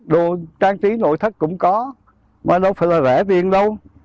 đồ trang trí nội thất cũng có mà đâu phải là rẻ tiền đâu